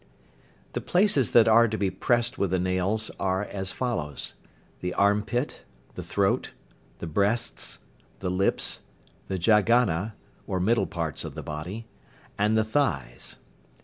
The places that are to be pressed with the nails are as follows: the arm pit, the throat, the breasts, the lips, the jaghana, or middle parts of the body, and the thighs.